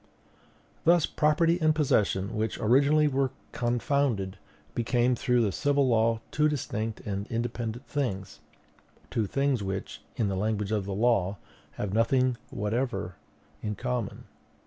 "Thus property and possession, which originally were confounded, became through the civil law two distinct and independent things; two things which, in the language of the law, have nothing whatever in common.